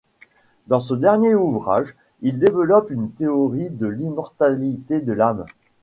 Dans ce dernier ouvrage, il développe une théorie de l'immortalité de l'âme.